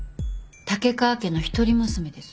竹川家の一人娘です。